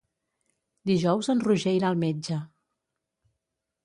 Dijous en Roger irà al metge.